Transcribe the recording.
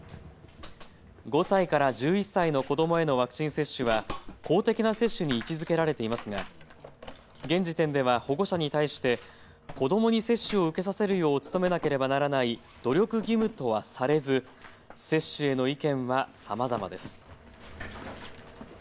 ５歳から１１歳の子どもへのワクチン接種は公的な接種に位置づけられていますが現時点では保護者に対して子どもに接種を受けさせるよう努めなければならない努力義務とはされず接種への意見はさまざまです。